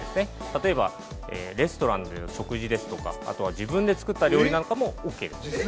例えばレストランでの食事ですとか、あとは自分で作った料理なんかもオーケーです。